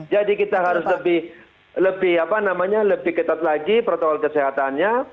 jadi kita harus lebih ketat lagi protokol kesehatannya